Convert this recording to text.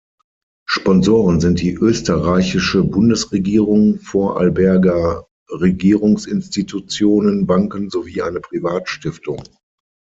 Sponsoren sind die Österreichische Bundesregierung, Vorarlberger Regierungsinstitutionen, Banken sowie eine Privatstiftung.